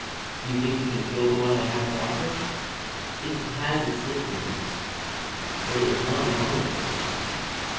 Do you think you can fill the one I have to offer? It has its difficulties, but it is not an onerous one.